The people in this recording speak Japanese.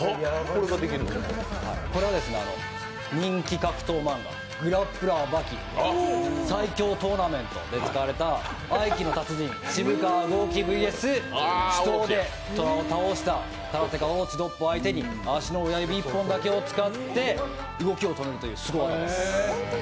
これを人気格闘技漫画「グラップラー刃牙」の最強トーナメントで使われた合気の達人、渋川剛気ＶＳ、手刀で虎を倒した虎殺しの愚地独歩足の親指１本だけを使って動きを止めるという技です。